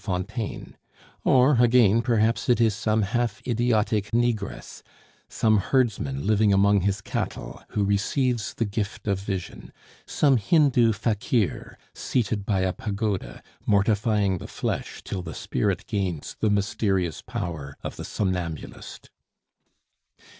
Fontaine, or again, perhaps it is some half idiotic negress, some herdsman living among his cattle, who receives the gift of vision; some Hindoo fakir, seated by a pagoda, mortifying the flesh till the spirit gains the mysterious power of the somnambulist.